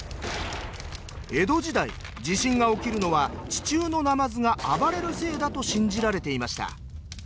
江戸時代地震が起きるのは地中のなまずが暴れるせいだと信じられていました。